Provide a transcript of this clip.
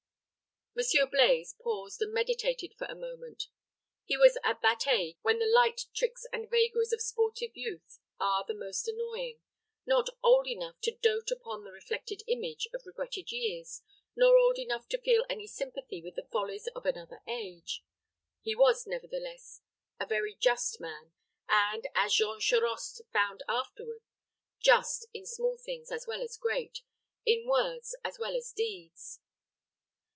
Monsieur Blaize paused and meditated for a moment. He was at that age when the light tricks and vagaries of sportive youth are the most annoying not old enough to dote upon the reflected image of regretted years, nor young enough to feel any sympathy with the follies of another age. He was, nevertheless, a very just man, and, as Jean Charost found afterward, just in small things as well as great; in words as well as deeds.